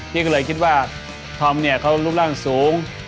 พี่ก็เลยคิดว่าธอมเนี่ยเขารูปร่างสูง